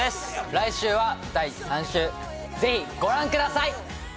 来週は第３週ぜひご覧ください！